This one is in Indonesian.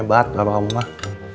sholat gak bakal memah